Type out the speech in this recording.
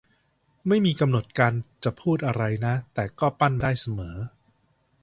ไม่มีกำหนดการจะพูดอะไรนะ แต่ก็ปั้นมาได้เสมอ